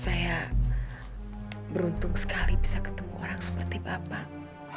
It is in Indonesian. saya beruntung sekali bisa ketemu orang seperti bapak